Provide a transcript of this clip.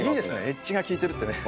エッジが利いてるってね。